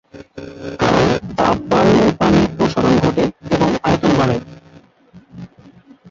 কারণ তাপ বাড়লে পানির প্রসারণ ঘটে এবং আয়তন বাড়ে।